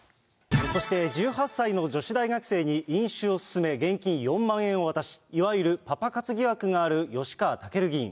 そして、１８歳の女子大学生に飲酒を勧め、現金４万円を渡し、いわゆるパパ活疑惑がある吉川赳議員。